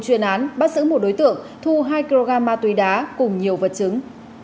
chuyên án bắt giữ một đối tượng thu hai kg ma túy đá cùng nhiều vật chứng